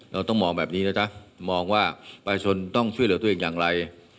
เราต้องมองแบบนี้นะจ๊ะมองว่าประชาชนต้องช่วยเหลือตัวเองอย่างไร